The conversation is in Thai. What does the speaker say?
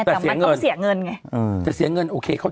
แต่มันต้องเสียเงินไง